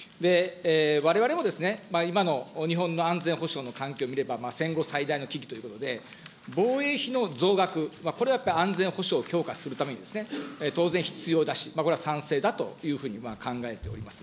われわれもですね、今の日本の安全保障の環境を見れば、戦後最大の危機ということで、防衛費の増額、これはやっぱり安全保障を強化するために、当然必要だし、これは賛成だというふうに考えております。